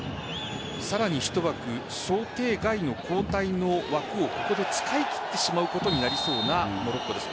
さらに１枠想定外の交代の枠をここで使い切ってしまうことになりそうなモロッコです。